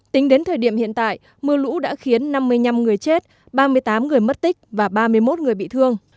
tính đến thời điểm hiện tại mưa lũ đã khiến năm mươi năm người chết ba mươi tám người mất tích và ba mươi một người bị thương